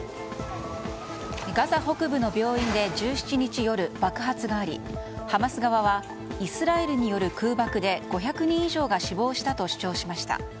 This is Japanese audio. ガザ北部の病院で１７日夜、爆発がありハマス側はイスラエルによる空爆で５００人以上が死亡したと主張しました。